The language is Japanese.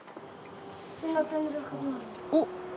おっ！